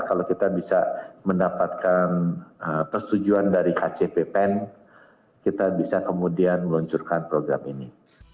kalau kita bisa mendapatkan persetujuan dari kcppen kita bisa kemudian meluncurkan program ini